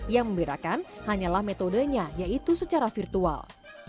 yang membedakan hanyalah metodenya yaitu secara virtual